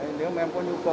nếu mà em có nhu cầu